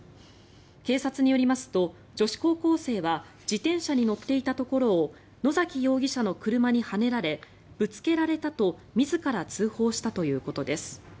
警察によりますと、女子高校生は自転車に乗っていたところを野嵜容疑者の車にはねられぶつけられたと自ら通報したということです。